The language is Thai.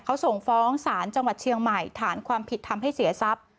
เขาส่งฟ้องศาลจังหวัดเชียงใหม่ฐานความผิดทำให้เสียทรัพย์